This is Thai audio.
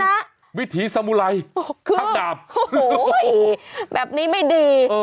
วิถีสมุไรพักดาบโอ้โหแบบนี้ไม่ดี